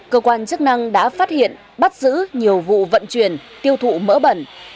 cơ quan chức năng đã phát hiện bắt giữ nhiều vụ vận chuyển tiêu thụ mỡ bẩn